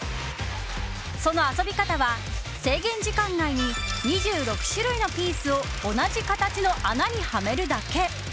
その遊び方は、制限時間内に２６種類のピースを同じ形の穴にはめるだけ。